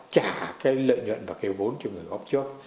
trả cái lợi nhuận và cái vốn cho người góp trước